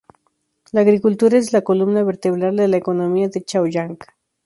La agricultura es la columna vertebral de la economía de Chaoyang.